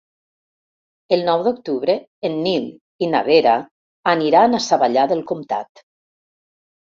El nou d'octubre en Nil i na Vera aniran a Savallà del Comtat.